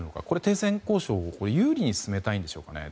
これ停戦交渉を有利に進めたいんでしょうか。